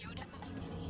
ya udah pok permisiin